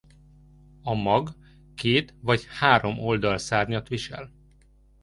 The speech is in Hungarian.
A mag két vagy három oldalszárnyat visel.